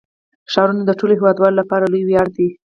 ښارونه د ټولو هیوادوالو لپاره لوی ویاړ دی.